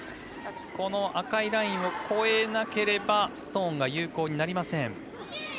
赤いラインを越えなければストーンが有効になりません。